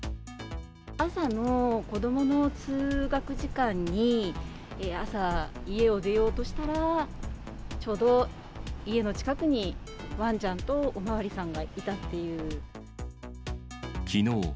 朝の子どもの通学時間に、朝、家を出ようとしたら、ちょうど家の近くに、わんちゃんとお巡りさんがいたっていう。